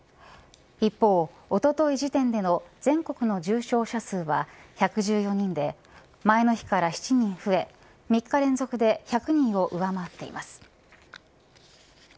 一方、おととい時点での全国の重症者数は１１４人で前の日から７人増え３日連続で１００人を上回っています。